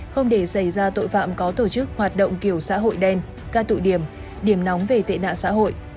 không để xảy ra tội phạm có tổ chức hoạt động kiểu xã hội đen ca tụi điểm điểm nóng về tệ nạn xã hội